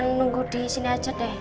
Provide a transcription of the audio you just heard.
nunggu di sini aja deh